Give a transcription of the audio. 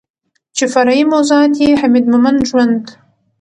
چې فرعي موضوعات يې حميد مومند ژوند